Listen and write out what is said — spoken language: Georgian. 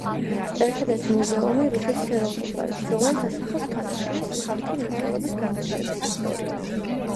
ერთადერთი მუზეუმი რუსეთის ევროპულ ნაწილში, რომელიც ასახავს ქვანახშირის სამთო მრეწველობის განვითარების ისტორიას.